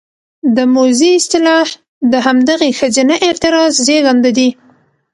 د موذي اصطلاح د همدغې ښځينه اعتراض زېږنده دى: